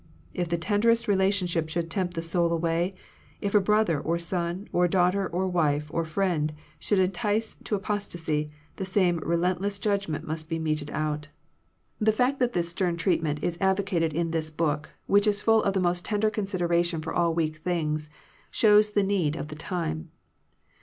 If the tenderest relation ship should tempt the soul away, if a brother, or son, or daughter, or wife, or friend, should entice to apostasy, the same relentless judgment must be meted out The fact that this stern treatment is 197 Digitized by VjOOQIC THE LIMITS OF FRIENDSHIP advocated in this Book, which is full of the most tender consideration for all weak things, shows the need of the time.